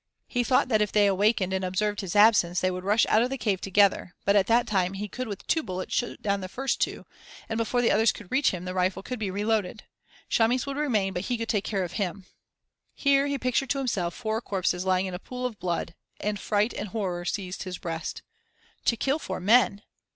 He thought that if they awakened and observed his absence they would rush out of the cave together but at that time he could with two bullets shoot down the first two and, before the others could reach him, the rifle could be reloaded. Chamis would remain but he could take care of him. Here he pictured to himself four corpses lying in a pool of blood, and fright and horror seized his breast. To kill four men!